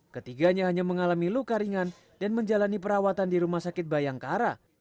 ketiganya hanya mengalami luka ringan dan menjalani perawatan di rumah sakit bayangkara